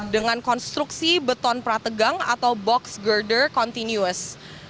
dengan konstruksi beton prategang atau box girder continuous